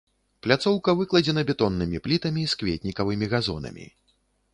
Пляцоўка выкладзена бетоннымі плітамі з кветнікавымі газонамі.